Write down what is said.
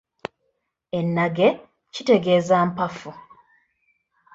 Ennage kitegeeza Mpafu.